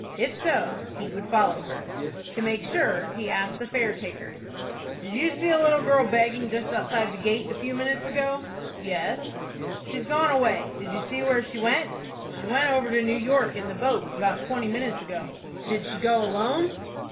If so, he would follow her. To make sure, he asked the fare taker. "Did you see a little girl begging just outside the gate a few minutes ago?" "Yes." "She's gone away. Did you see where she went?" "She went over to New York in the boat, about twenty minutes ago." "Did she go alone?"